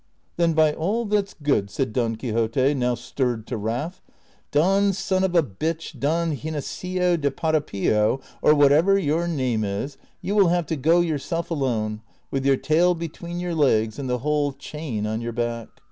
^" Then by all that 's good," said Don Quixote (now stirred to wrath), " Don son of a bitch, Don Ginesillo de Paropillo, or whatever your name is, you will have to go yourself alone, with your tail between your legs and the whole chain on your . back."